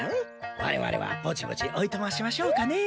我々はぼちぼちおいとましましょうかねえ。